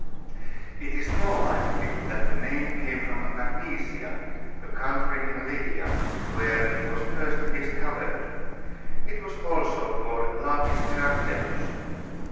It is more likely that the name came from Magnesia, a country in Lydia, where it was first discovered. It was also called Lapis Heracleus.